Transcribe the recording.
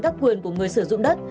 các quyền của người sử dụng đất